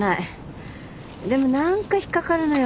でも何か引っ掛かるのよ。